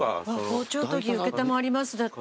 「包丁研ぎ承ります」だって。